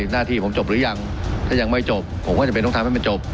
หน้าที่ผมจบหรือยังถ้ายังไม่จบผมก็จำเป็นต้องทำให้มันจบ